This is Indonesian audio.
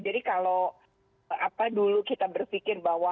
jadi kalau apa dulu kita berpikir bahwa